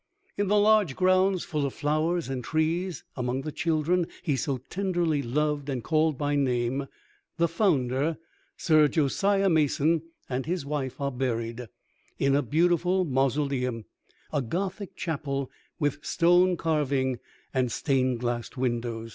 In the large grounds, full of flowers and trees, among the children he so tenderly loved and called by name, the founder, Sir Josiah Mason, and his wife, are buried, in a beautiful mausoleum, a Gothic chapel, with stone carving and stained glass windows.